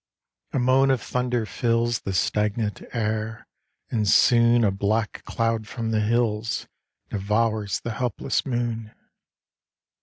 A moan of thunder fills The stagnant air; and soon A black cloud from the hills Devours the helpless moon.